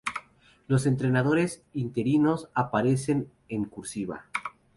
Los entrenadores interinos aparecen en "cursiva".